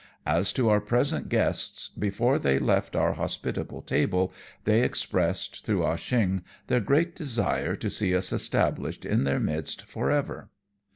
As to our present guests, before they left our hospitable table they expressed, through Ah Cheong, their great desire to see us established in their midst for ever.